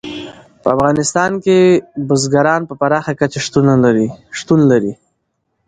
په افغانستان کې بزګان په پراخه کچه شتون لري.